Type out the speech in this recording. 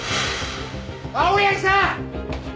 青柳さん！